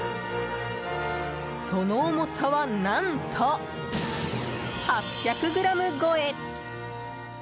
その重さは何と、８００ｇ超え！